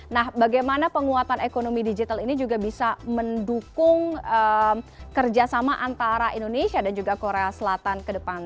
nah bagaimana penguatan ekonomi digital ini juga bisa mendukung kerjasama antara indonesia dan juga korea selatan ke depan